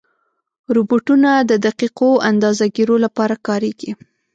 روبوټونه د دقیقو اندازهګیرو لپاره کارېږي.